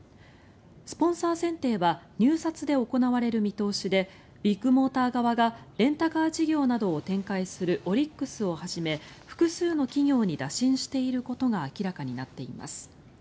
スポンサー選定は入札で行われる見通しでビッグモーター側がレンタカー事業などを展開するオリックスをはじめ複数の企業に打診していることが明らかになっています。